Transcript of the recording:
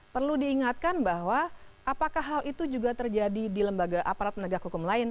perlu diingatkan bahwa apakah hal itu juga terjadi di lembaga aparat penegak hukum lain